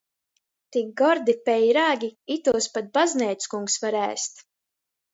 Tik gordi peirāgi, itūs pat bazneickungs var ēst!